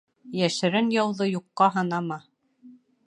Йәшерен яуҙы юҡҡа һанама.